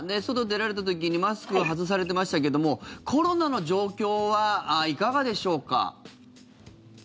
外に出られた時にマスク外されてましたけどもコロナの状況はいかがでしょうか。